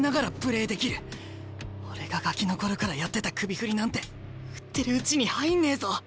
俺がガキの頃からやってた首振りなんて振ってるうちに入んねえぞ！